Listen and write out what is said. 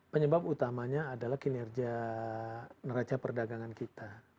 penyebab utamanya adalah kinerja neraca perdagangan kita